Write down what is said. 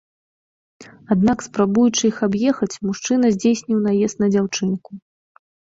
Аднак спрабуючы іх аб'ехаць, мужчына здзейсніў наезд на дзяўчынку.